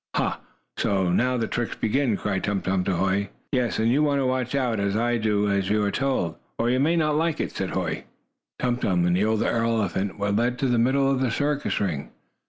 "Ha! So now the tricks begin!" cried Tum Tum to Hoy. "Yes, and you want to watch out, and do as you are told, or you may not like it," said Hoy. Tum Tum and the older elephant were led to the middle of the circus ring.